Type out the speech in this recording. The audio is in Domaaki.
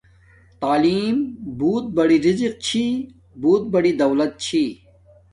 تعلیم بوت بری رزق چھی۔ بوت بڑی دولت چھی۔